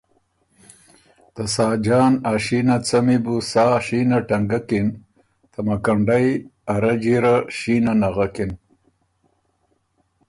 ته ساجان ا شینه څمی بُو سا شینه ټنګکِن، ته مکنډئ ا رجی ره شینه نغکِن۔